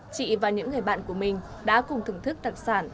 chị và những người bạn của mình đã cùng thưởng thức đặc sản